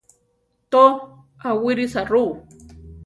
To, awírisa ru.